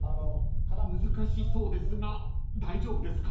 ［難しそうですが大丈夫ですか？］